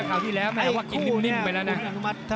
เขาที่แล้วแฆงนิ่มไปแล้วนะ